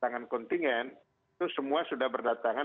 dan juga kedangan kontingen itu semua sudah berakhir